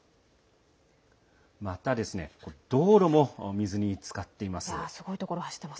また、道路も水につかっています。